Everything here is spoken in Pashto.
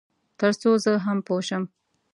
تر څو زه هم پوه شم.